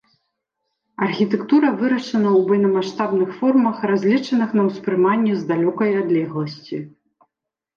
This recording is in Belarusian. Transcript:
Архітэктура вырашана ў буйнамаштабных формах, разлічаных на ўспрыманне з далёкай адлегласці.